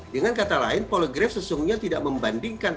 dengan kata lain poligraf sesungguhnya tidak membandingkan